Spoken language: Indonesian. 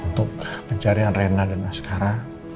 untuk pencarian rena dan askara